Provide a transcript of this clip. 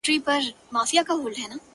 بختور وي چي یې زه غیږي ته ورسم؛